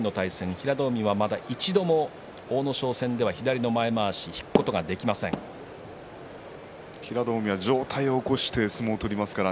平戸海はまだ一度も阿武咲戦では左の前まわしを平戸海は上体を起こして相撲を取ります。